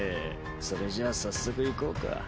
それじゃあ早速行こうか。